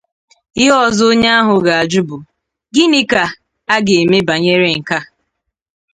ihe ọzọ onye ahụ ga-ajụ bụ 'Gịnị ka a ga-eme banyere nke a?".